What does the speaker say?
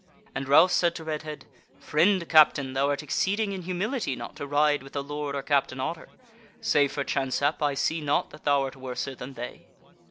And Ralph said to Redhead: "Friend captain, thou art exceeding in humility not to ride with the Lord or Captain Otter; save for chance hap, I see not that thou art worser than they."